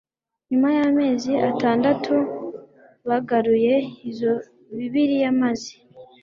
nyuma y amezi atandatu bagaruye izo bibiliya maze